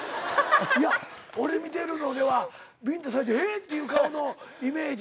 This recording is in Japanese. いや俺見てるのではビンタされてえ！？っていう顔のイメージ強い。